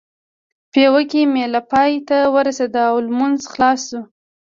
پېوه کې مېله پای ته ورسېده او لمونځ خلاص شو.